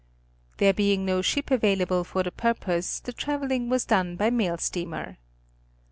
There being no ship available for the purpose the traveling was done by mail steamer.